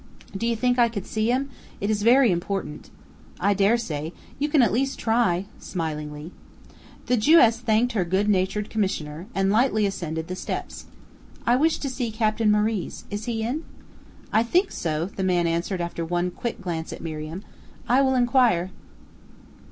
"Do you think I could see him? It is very important." "I dare say. You can at least try," smilingly. The Jewess thanked her good natured commissioner, and lightly ascended the steps. "I wish to see Captain Moriz. Is he in?" "I think so," the man answered after one quick glance at Miriam; "I will inquire."